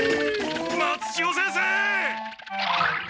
松千代先生！